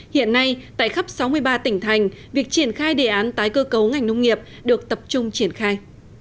hiện nay tại khắp sáu mươi ba tỉnh thành việc triển khai đề án tái cơ cấu ngành nông nghiệp được tập trung triển khai